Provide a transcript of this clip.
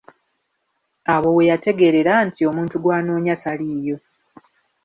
Awo we yategeerera nti omuntu gw'anoonya taliiyo.